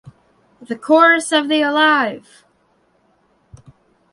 The chorus of the Alive!